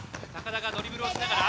田がドリブルをしながら。